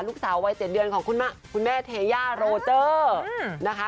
ลูกสาววัย๗เดือนของคุณแม่เทย่าโรเจอร์นะคะ